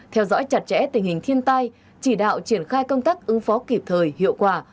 theo dõi chặt chẽ tình hình thiên tai chỉ đạo triển khai công tác ứng phó kịp thời hiệu quả